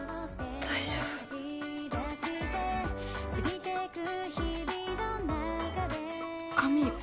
大丈夫髪